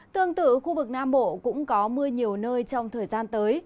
tương tự khu vực nam bộ cũng có mưa nhiều nơi trong thời gian tới